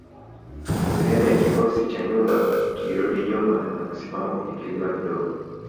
Sehemu ya kikosi cha nyuma kilirudi nyuma na kusimama kwenye kilima kidogo